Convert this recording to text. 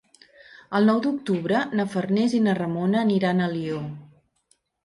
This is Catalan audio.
El nou d'octubre na Farners i na Ramona aniran a Alió.